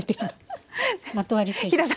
まとわりついてる。